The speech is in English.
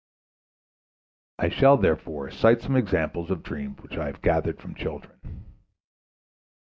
I shall therefore cite some examples of dreams which I have gathered from children.